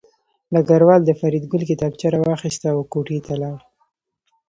ډګروال د فریدګل کتابچه راواخیسته او کوټې ته لاړ